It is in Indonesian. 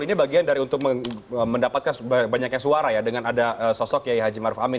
ini bagian dari untuk mendapatkan banyaknya suara ya dengan ada sosok kiai haji maruf amin